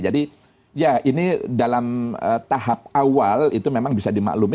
ya ini dalam tahap awal itu memang bisa dimaklumi